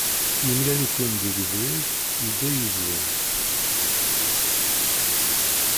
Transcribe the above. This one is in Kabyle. Yemlal-iken-id deg ubrid, yedda yid-wen.